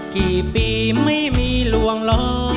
กี่ปีไม่มีลวงล้อ